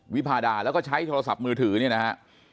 วิพาดาแล้วก็ใช้โทรศัพท์มือถือเนี่ยนะฮะ